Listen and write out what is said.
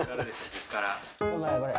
ここから。